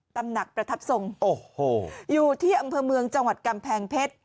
ตำหนักประทับทรงโอ้โหอยู่ที่อำเภอเมืองจังหวัดกำแพงเพชร